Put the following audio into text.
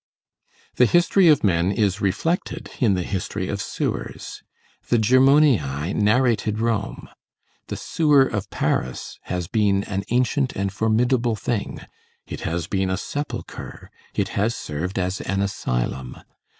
The history of men is reflected in the history of sewers. The Germoniæ58 narrated Rome. The sewer of Paris has been an ancient and formidable thing. It has been a sepulchre, it has served as an asylum.